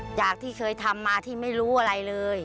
จากที่เคยทำมาที่ไม่รู้อะไรเลย